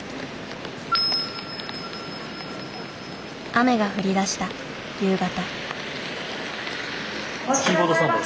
雨が降りだした夕方。